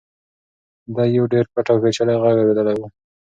ده یو ډېر پټ او پېچلی غږ اورېدلی و.